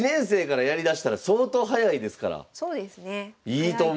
いいと思う！